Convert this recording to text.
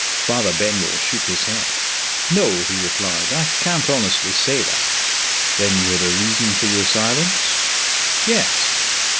Father Benwell shook his head. "No," he replied; "I can't honestly say that." "Then you had a reason for your silence?" "Yes."